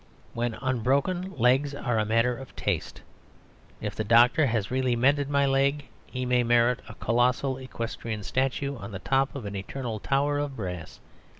When unbroken, legs are a matter of taste. If the doctor has really mended my leg, he may merit a colossal equestrian statue on the top of an eternal tower of brass.